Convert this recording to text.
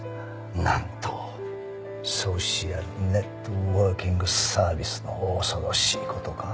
なんとソーシャルネットワーキングサービスの恐ろしい事か。